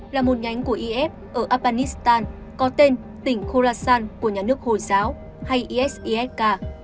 là một nhánh của is ở afghanistan có tên tỉnh khorasan của nhà nước hồi giáo hay isisk